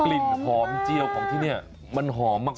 กลิ่นหอมเจียวของที่นี่มันหอมมาก